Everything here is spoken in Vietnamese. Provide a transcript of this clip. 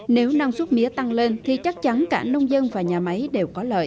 nếu năng suất mía tăng lên thì chắc chắn cả nông dân và nhà máy đều có lợi